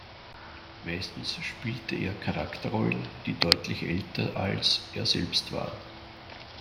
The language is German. Meistens spielte er Charakterrollen, die deutlich älter als er selbst waren.